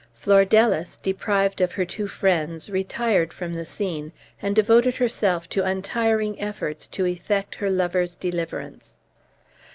Flordelis, deprived of her two friends, retired from the scene, and devoted herself to untiring efforts to effect her lover's deliverance.